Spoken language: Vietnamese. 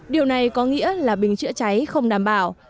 điều này có nghĩa là bình chữa cháy không đảm bảo